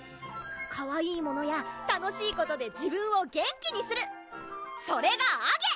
かわいいものや楽しいことで自分を元気にするそれがアゲ！